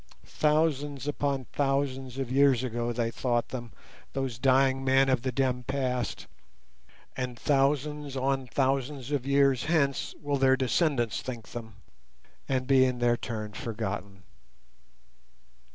—thousands upon thousands of years ago they thought them, those dying men of the dim past; and thousands on thousands of years hence will their descendants think them and be in their turn forgotten.